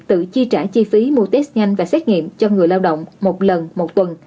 tự chi trả chi phí mua test nhanh và xét nghiệm cho người lao động một lần một tuần